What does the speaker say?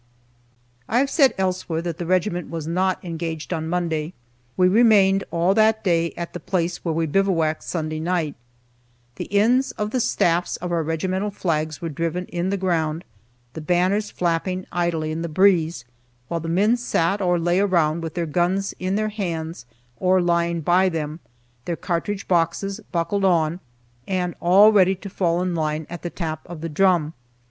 I have said elsewhere that the regiment was not engaged on Monday. We remained all that day at the place where we bivouacked Sunday night. The ends of the staffs of our regimental flags were driven in the ground, the banners flapping idly in the breeze, while the men sat or lay around with their guns in their hands or lying by them, their cartridge boxes buckled on, and all ready to fall in line at the tap of the drum.